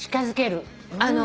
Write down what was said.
あの。